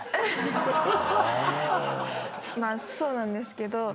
まあそうなんですけど。